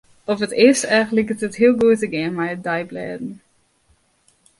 Op it earste each liket it heel goed te gean mei de deiblêden.